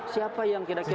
siapa yang kira kira